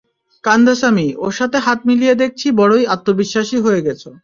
কান্দাসামি, ওর সাথে হাত মিলিয়ে দেখছি বড়োই আত্মবিশ্বাসী হয়ে গেছো।